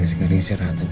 enggak mampus sih